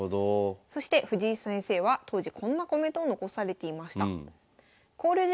そして藤井先生は当時こんなコメントを残されていました。